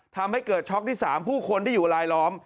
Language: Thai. ทำให้เกิดช็อกที่๓ผู้คนที่อยู่ลายล้อม